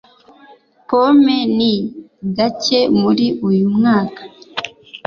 Pome ni gake muri uyu mwaka